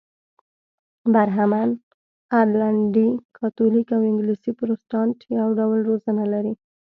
برهمن، ارلنډي کاتولیک او انګلیسي پروتستانت یو ډول روزنه لري.